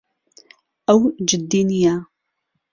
ئەو جددی نییە.